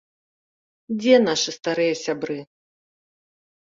Дзе нашы старыя сябры?